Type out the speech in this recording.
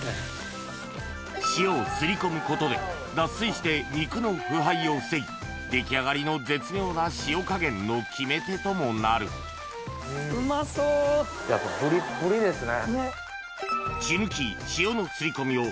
塩をすり込むことで脱水して肉の腐敗を防ぎ出来上がりの絶妙な塩加減の決め手ともなるプリップリですね。